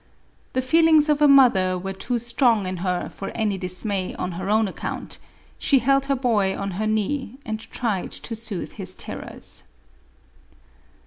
The feelings of a mother were too strong in her for any dismay on her own account ; she held her boy on her knee, and tried to soothe his terrors.